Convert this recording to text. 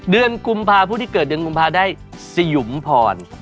เดือนกุมภาพุธที่เกิดได้สิยุมภอน